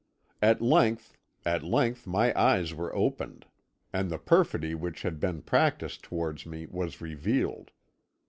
At length, at length my eyes were opened, and the perfidy which had been practised towards me was revealed.